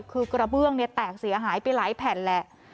คือกระเบื้องเนี่ยแตกเสียหายไปหลายแผ่นแหละ